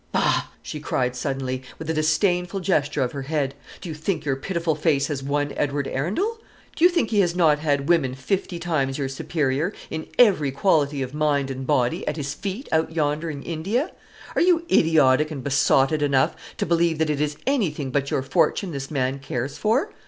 Bah!" she cried suddenly, with a disdainful gesture of her head; "do you think your pitiful face has won Edward Arundel? Do you think he has not had women fifty times your superior, in every quality of mind and body, at his feet out yonder in India? Are you idiotic and besotted enough to believe that it is anything but your fortune this man cares for?